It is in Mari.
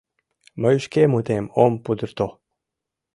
Мый шке мутем ом пудырто.